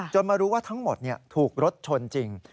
มารู้ว่าทั้งหมดถูกรถชนจริง